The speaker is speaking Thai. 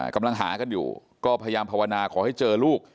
กำลังหากันอยู่ก็พยายามภาวนาขอให้เจอลูก